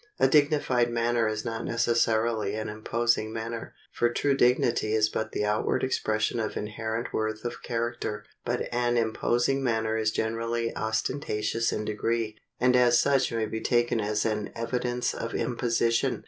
A dignified manner is not necessarily an imposing manner; for true dignity is but the outward expression of inherent worth of character, but an imposing manner is generally ostentatious in degree, and as such may be taken as an evidence of imposition.